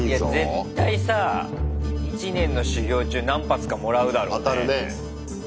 絶対さ一年の修業中何発かもらうだろうね。当たるね。